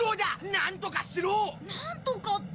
なんとかって。